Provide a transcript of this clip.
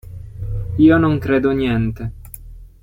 Io non credo niente.